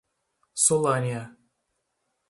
Solânea